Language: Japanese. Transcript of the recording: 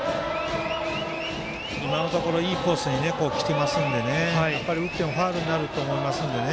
今のところいいコースに来ていますので打ってもファウルになると思いますのでね。